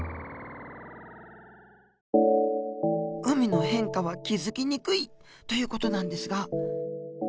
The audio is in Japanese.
海の変化は気づきにくいという事なんですが。